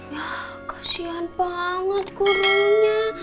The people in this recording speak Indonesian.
ya kasihan banget gurunya